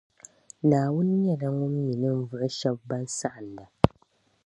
Naawuni nyɛla Ŋun mi ninvuɣu shεba ban saɣinda.